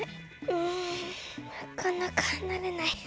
うんなかなかはなれない。